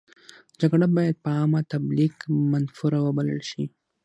جګړه باید په عامه تبلیغ منفوره وبلل شي.